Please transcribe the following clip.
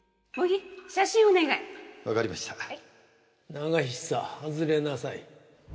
永久外れなさい。